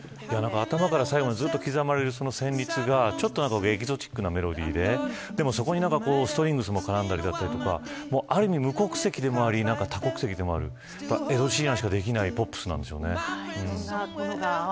頭から最後まで刻まれる旋律がエキゾチックなメロディーでそこにストリングスもあったりあるいみ無国籍でもあり多国籍でもあるエド・シーランしかできないポップスなんでしょうね。